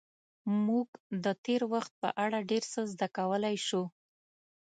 موږ د تېر وخت په اړه ډېر څه زده کولی شو.